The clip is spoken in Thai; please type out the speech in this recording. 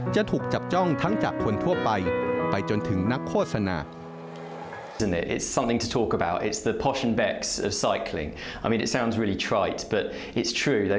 จะถูกจับจ้องทั้งจากคนทั่วไปไปจนถึงนักโฆษณา